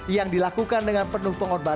yang dilakukan dengan penuh pengorbanan